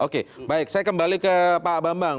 oke baik saya kembali ke pak bambang